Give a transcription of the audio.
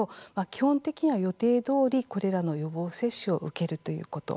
基本的には予定どおり、これらの予防接種を受けるということ。